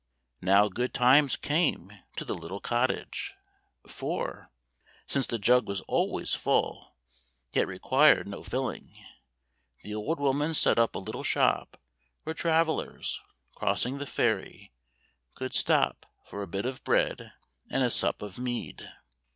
Now good times came to the little cottage, for — since the jug was always full, yet required no filling — the old woman set up a little shop where travelers, crossing the ferry, could stop for a bit of bread and a sup of mead.